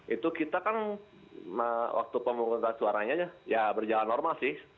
itu kita kan waktu pemungutan suaranya aja ya berjalan normal sih